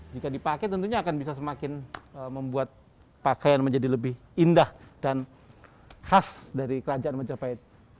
jika dipakai tentunya akan bisa semakin membuat pakaian menjadi lebih indah dan khas dari kerajaan majapahit